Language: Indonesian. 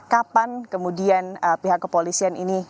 kapan kemudian pihak kepolisian ini